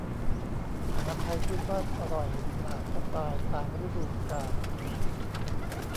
อาหารไทยพื้นบ้านอร่อยหลากสไตล์ตามฤดูกาล